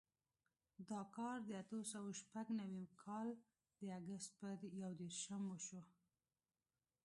دا کار د اتو سوو شپږ نوېم کال د اګست په یودېرشم وشو.